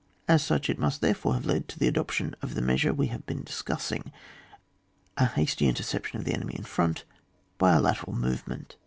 As such, it must therefore have led to the adoption of the measure we have been discussing, a hasty interception of the enemy in front by a lateral movement.